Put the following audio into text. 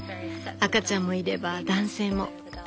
赤ちゃんもいれば男性も。